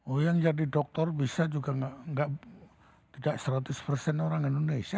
oh yang jadi doktor bisa juga tidak seratus persen orang indonesia